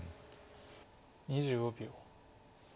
２５秒。